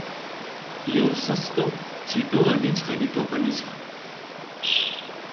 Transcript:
यो सस्तो, छिटो अनि छरितो पनि छ ।